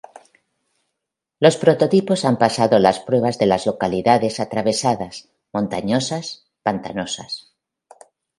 Los prototipos han pasado las pruebas de las localidades atravesadas, montañosas, pantanosas.